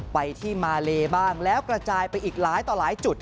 ไปที่มาเลบ้างแล้วกระจายไปอีกหลายต่อหลายจุด